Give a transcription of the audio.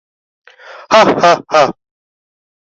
হাঃ হাঃ হাঃ!